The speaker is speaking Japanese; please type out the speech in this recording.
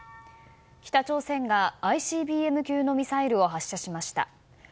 北朝鮮がＩＣＢＭ級のミサイルを発射しました。